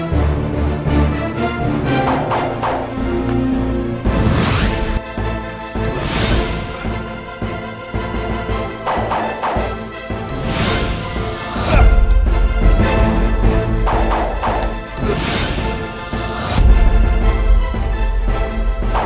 tubuh dengan allah mampu menyerap serangan kita